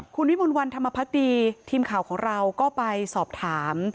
คุณวิมลวันธรรมพักดีทีมข่าวของเราก็ไปสอบถาม